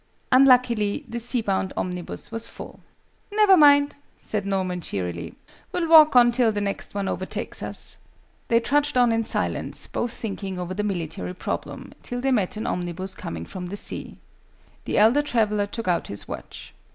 Unluckily, the sea bound omnibus was full. "Never mind!" said Norman, cheerily. "We'll walk on till the next one overtakes us." They trudged on in silence, both thinking over the military problem, till they met an omnibus coming from the sea. The elder traveller took out his watch.